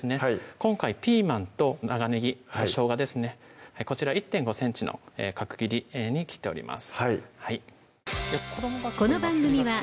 今回ピーマンと長ねぎあとしょうがですねこちら１．５ｃｍの角切りに切っております